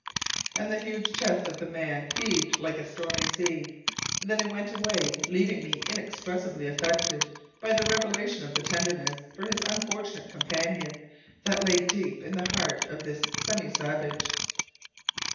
And the huge chest of the man heaved like a stormy sea. Then he went away, leaving me inexpressibly affected by the revelation of the tenderness for his unfortunate companion that lay deep in the heart of this semi savage.